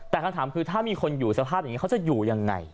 แต่คำถามคือถ้ามีคนอยู่สภาพอย่างนี้เขาจะอยู่ยังไง